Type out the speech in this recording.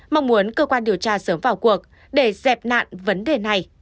mong muốn cơ quan điều tra sớm vào cuộc để dẹp nạn vấn đề này